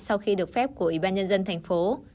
sau khi được phép của ủy ban nhân dân tp